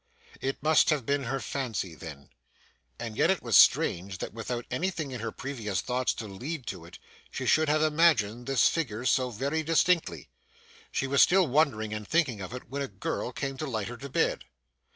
It must have been her fancy then; and yet it was strange, that, without anything in her previous thoughts to lead to it, she should have imagined this figure so very distinctly. She was still wondering and thinking of it, when a girl came to light her to bed.